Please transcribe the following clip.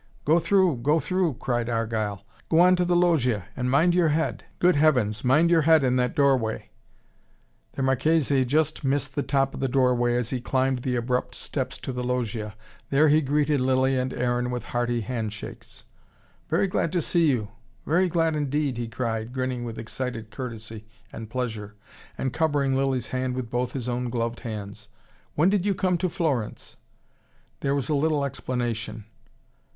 "Go through go through," cried Argyle. "Go on to the loggia and mind your head. Good heavens, mind your head in that doorway." The Marchese just missed the top of the doorway as he climbed the abrupt steps on to the loggia. There he greeted Lilly and Aaron with hearty handshakes. "Very glad to see you very glad, indeed!" he cried, grinning with excited courtesy and pleasure, and covering Lilly's hand with both his own gloved hands. "When did you come to Florence?" There was a little explanation.